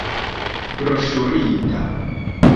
Broŝurita.